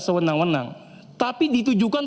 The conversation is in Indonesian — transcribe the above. sewenang wenang tapi ditujukan